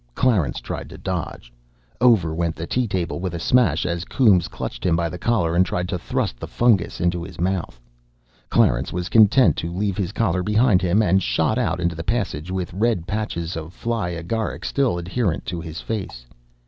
Clarence tried to dodge. Over went the tea table with a smash as Coombes clutched him by the collar and tried to thrust the fungus into his mouth. Clarence was content to leave his collar behind him, and shot out into the passage with red patches of fly agaric still adherent to his face.